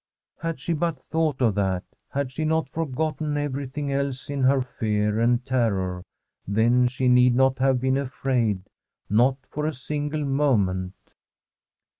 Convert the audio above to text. Had she but thought of that, had she not for gotten everything else in her fear and terror, then she need not have been afraid, not for a single moment.